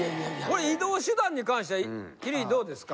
これ移動手段に関しては鬼龍院どうですか？